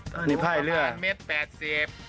ตอนนี้พ่ายเรือประมาณเม็ดแปดเสียบ